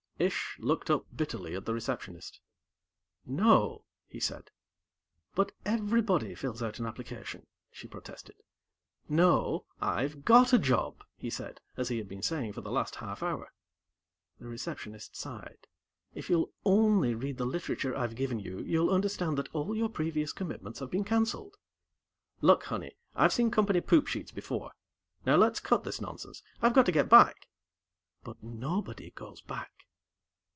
Ish looked up bitterly at the Receptionist. "No," he said. "But everybody fills out an application," she protested. "No. I've got a job," he said as he had been saying for the last half hour. The Receptionist sighed. "If you'll only read the literature I've given you, you'll understand that all your previous commitments have been cancelled." "Look, Honey, I've seen company poop sheets before. Now, let's cut this nonsense. I've got to get back." "But nobody goes back."